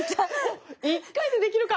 一回でできるか。